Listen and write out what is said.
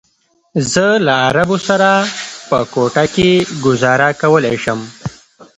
زه له عربو سره په کوټه کې ګوزاره کولی شم.